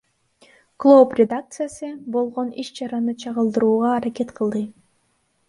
Клооп редакциясы болгон иш чараны чагылдырууга аракет кылды.